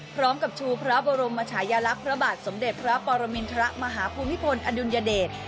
ชูพระบรมชายลักษณ์พระบาทสมเด็จพระปรมินทรมาฮภูมิพลอดุลยเดช